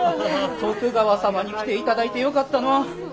徳川様に来ていただいてよかったのう。